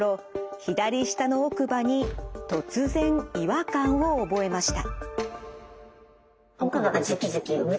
左下の奥歯に突然違和感を覚えました。